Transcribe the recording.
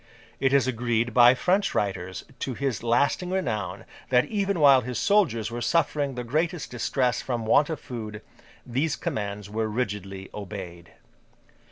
It is agreed by French writers, to his lasting renown, that even while his soldiers were suffering the greatest distress from want of food, these commands were rigidly obeyed.